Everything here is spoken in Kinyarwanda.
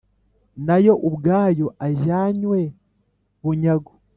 na yo ubwayo ajyanywe bunyago.